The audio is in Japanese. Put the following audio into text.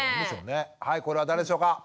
これは誰でしょうか？